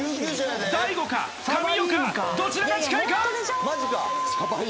大悟か神尾かどちらが近いか！